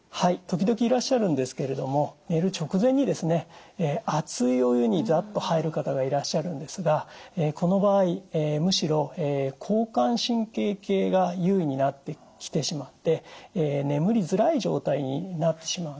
時々いらっしゃるんですけれども寝る直前に熱いお湯にザッと入る方がいらっしゃるんですがこの場合むしろ交感神経系が優位になってきてしまって眠りづらい状態になってしまうんですね。